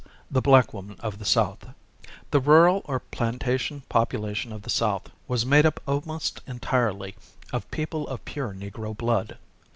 The black woman of the South. The rural or plantation population of the South was made up almost entirely of people of pure Negro blood.